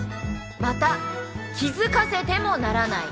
また気づかせてもならない。